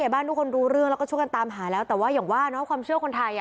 บ้านทุกคนรู้เรื่องแล้วก็ช่วยกันตามหาแล้วแต่ว่าอย่างว่าความเชื่อคนไทย